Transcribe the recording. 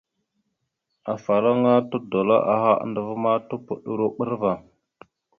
Afalaŋa todoláaha andəva ma, topoɗoro a bəra ava.